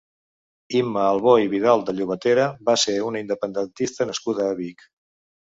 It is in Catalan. Imma Albó i Vidal de Llobatera va ser una independentista nascuda a Vic.